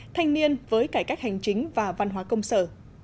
thanh niên với cải cách hành chính và văn hóa công sở